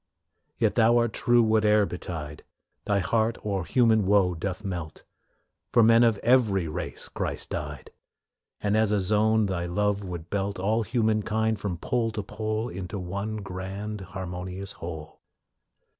Yet Thou art true whate'er betide; Thy heart o'er human woe doth melt; For men of every race Christ died, And, as a zone, Thy love would belt All human kind from pole to pole Into one grand, harmonious whole.